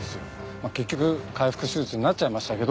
まあ結局開腹手術になっちゃいましたけど。